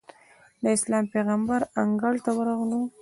د اسلام د پېغمبر انګړ ته ورغلو.